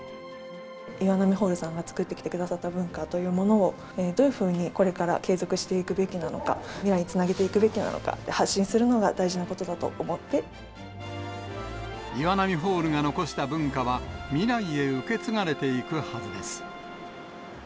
岩波ホールさんが作ってきてくださった文化というものを、どういうふうにこれから継続していくべきなのか、未来につなげていくべきなのか、発信するのが大事なことだと思っ岩波ホールが残した文化は、未来へ受け継がれていくはずです。